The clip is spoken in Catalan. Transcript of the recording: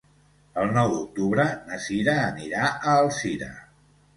El nou d'octubre na Cira anirà a Alzira.